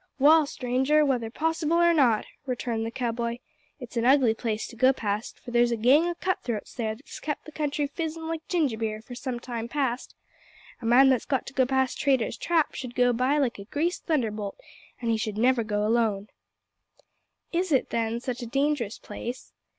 "Wall, stranger, whether possible or not," returned the cow boy, "it's an ugly place to go past, for there's a gang o' cut throats there that's kep' the country fizzin' like ginger beer for some time past. A man that's got to go past Traitor's Trap should go by like a greased thunderbolt, an' he should never go alone." "Is it, then, such a dangerous place?"